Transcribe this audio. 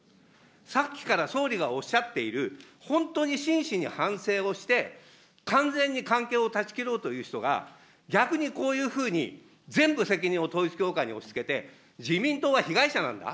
さっきから総理がおっしゃっている、本当に真摯に反省をして、完全に関係を断ち切ろうという人が、逆にこういうふうに、全部責任を統一教会に押しつけて、自民党は被害者なんだ、